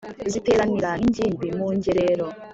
Ziteranira n’ingimbi mu ngerero